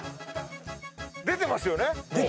出てますよね。